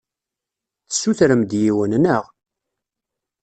Tessutrem-d yiwen, naɣ?